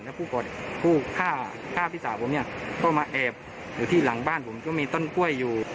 แล้วผู้ฆ่าพี่สาวผมเนี่ยก็มาแอบอยู่ที่หลังบ้านผมก็มีต้นกล้วยอยู่